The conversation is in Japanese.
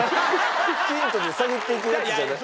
ヒントで探っていくやつじゃない。